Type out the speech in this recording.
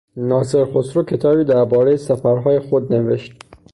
ناصر خسرو کتابی دربارهی سفرهای خود نوشت.